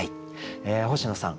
星野さん